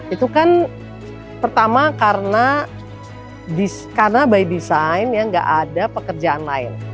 itu kan pertama karena by design ya nggak ada pekerjaan lain